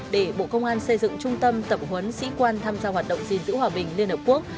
để bộ công an xây dựng trung tâm tập huấn sĩ quan tham gia hoạt động gìn giữ hòa bình liên hợp quốc